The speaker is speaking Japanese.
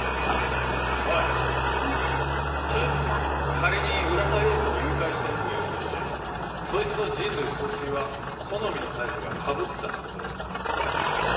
仮に浦田陽子を誘拐した奴がいるとしてそいつと人類総帥は好みのタイプがかぶってたっつう事だよな。